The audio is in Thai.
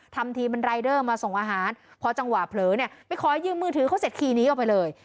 ทำทีเป็นรายเดอร์มาส่งอาหารพอจังหวะเผลอเนี่ยไปขอยืมมือถือเขาเสร็จขี่หนีออกไปเลย